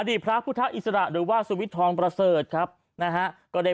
พระพุทธอิสระหรือว่าสุวิททองประเสริฐครับนะฮะก็ได้